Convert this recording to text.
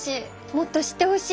もっと知ってほしい。